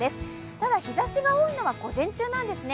ただ、日ざしが多いのは午前中なんですね。